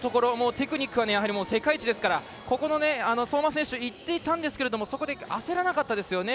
テクニックは世界一ですからここの相馬選手いっていたんですけどそこで焦らなかったですよね。